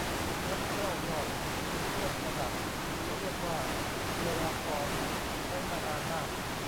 รัดเกล้ายอด เป็นเครื่องประดับ หรือเรียกว่าศิราภรณ์ ใช้มานานมาก